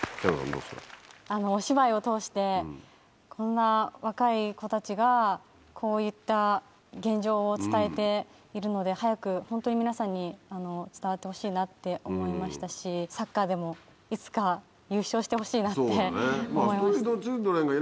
お芝居を通してこんな若い子たちがこういった現状を伝えているので早くホントに皆さんに伝わってほしいなって思いましたしサッカーでもいつか優勝してほしいなって思いました。